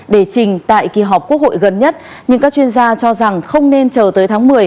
để trình tại kỳ họp quốc hội gần nhất nhưng các chuyên gia cho rằng không nên chờ tới tháng một mươi